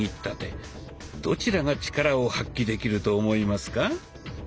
どちらがチカラを発揮できると思いますか？